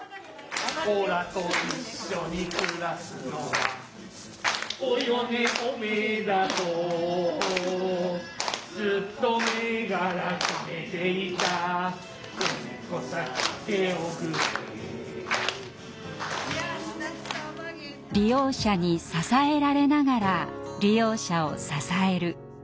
俺らと一緒に暮らすのはおよねおめえだとずーと前から決めていた嫁っこさ来ておくれ利用者に支えられながら利用者を支える。